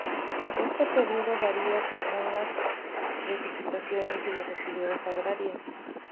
Este período varía según las precipitaciones y las actividades agrarias.